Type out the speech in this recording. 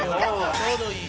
ちょうどいい。